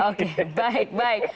oke baik baik